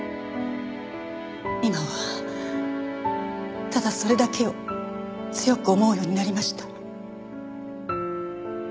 今はただそれだけを強く思うようになりました。